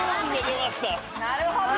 なるほど。